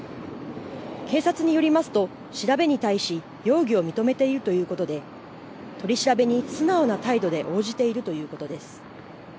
警察によりますと調べに対し容疑を認めているということで取り調べに素直な態度で応じているということです。